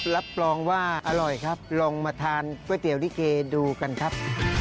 รับรองว่าอร่อยครับลองมาทานก๋วยเตี๋ยวลิเกดูกันครับ